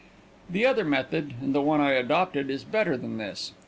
The other method, and the one I adopted, is better than this.